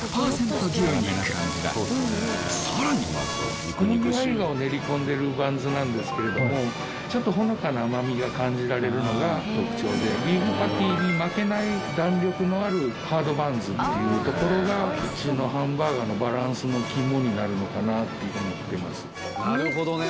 牛肉さらに小麦胚芽を練り込んでるバンズなんですけれどもちょっとほのかな甘みが感じられるのが特徴でビーフパティに負けない弾力のあるハードバンズっていうところがうちのハンバーガーのバランスの肝になるのかなっていうふうに思っていますなるほどね